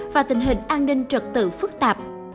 và tình hình an ninh trật tự phức tạp